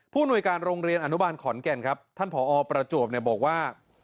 ผู้หน่วยการโรงเรียนอันนุบาลขนแก่นท่านผอประจวบบอกว่า